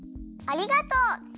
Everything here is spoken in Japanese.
ありがとう！